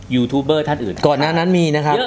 ยูทูปเบอร์ท่านอื่นก่อนหน้านั้นมีนะครับ